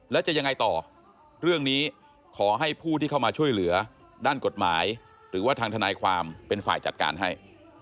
แล้วจะยังไงต่อเรื่องนี้ขอให้ผู้ที่เข้ามาช่วยเหลือด้านกฎหมายหรือว่าทางทนายความเป็นฝ่ายจัดการให้